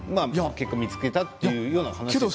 結果、見つけたというような話でしょ？